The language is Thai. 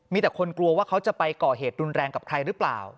มีแต่คนกลัวว่าเขาจะไปก่อเหตุรุนแรงกับใครหรือเปล่า